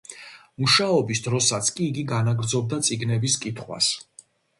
მუშაობის დროსაც კი იგი განაგრძობდა წიგნების კითხვას.